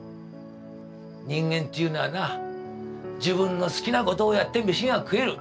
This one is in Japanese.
人間ていうのはな自分の好きな事をやって飯が食える。